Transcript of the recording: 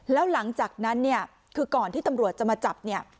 แล้วหลังจากนั้นคือก่อนที่ตำรวจจะมาจับ